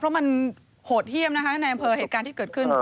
เพราะมันโหดเยี่ยมนะคะในอำเภอเหตุการณ์ที่เกิดขึ้น